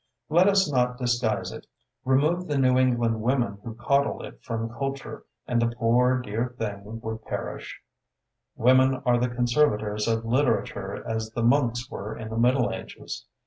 Let us not disguise it: remove the New England women who coddle it from culture, and the poor, dear thing would perish; women are the conservators of literature as the monks were in the middle ages.